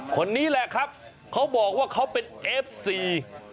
คนนี้แหละครับเขาบอกว่าเขาเป็นเอฟซี